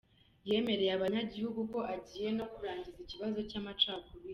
Yemereye abanyagihugu ko agiye no kurangiza ikibazo c'amacakubiri.